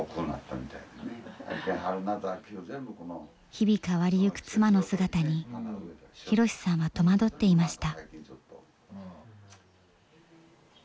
日々変わりゆく妻の姿に博さんは戸惑っていました。